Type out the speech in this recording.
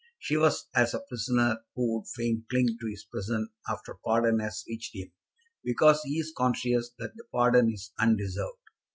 She was as a prisoner who would fain cling to his prison after pardon has reached him, because he is conscious that the pardon is undeserved.